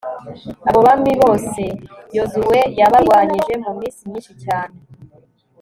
abo bami bose yozuwe yabarwanyije mu minsi myinshi cyane